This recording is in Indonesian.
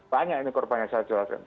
banyak ini korbannya saya jelaskan